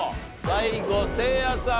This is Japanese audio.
最後せいやさん